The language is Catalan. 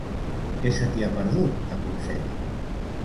Què se t'hi ha perdut, a Consell?